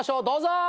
どうぞ！